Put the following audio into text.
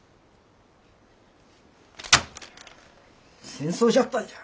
戦争じゃったんじゃ。